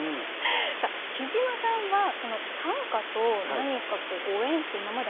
さあきじまさんはこの短歌と何かご縁って今までありましたか？